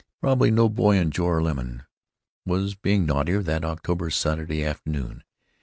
Probably no boy in Joralemon was being naughtier that October Saturday afternoon.